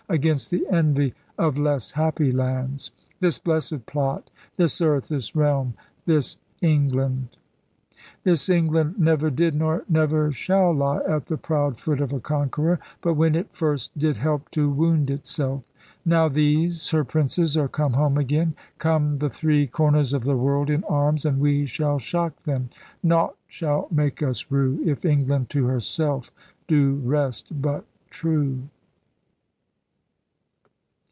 Against the envy of less happy lands: This blessed plot, this earth, this realm, this England. This England never did, nor never shall. Lie at the proud foot of a conqueror. But when it first did help to wound itself. Now these her princes are come home again. Come the three corners of the world in arms And we shall shock them. Nought shall make us rue, If England to herself do rest but true.